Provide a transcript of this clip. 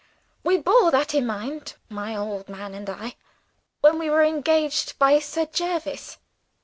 We bore that in mind my old man and I when we were engaged by Sir Jervis.